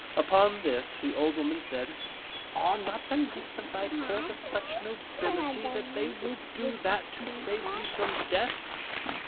Upon this the old woman said, "Are not the knights of thy Court of such nobility that they will do that to save thee from death?"